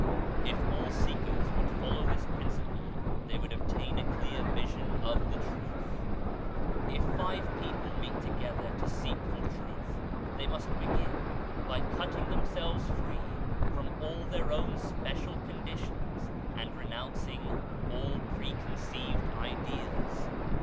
If all seekers would follow this principle they would obtain a clear Vision of the Truth. If five people meet together to seek for Truth, they must begin by cutting themselves free from all their own special conditions and renouncing all preconceived ideas.